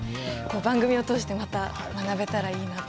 番組を通してまた学べたらいいなと。